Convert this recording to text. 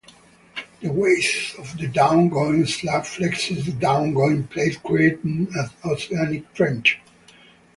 The weight of the down-going slab flexes the down-going plate creating an oceanic trench.